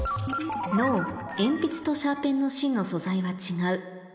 「Ｎｏ鉛筆とシャーペンの芯の素材は違う」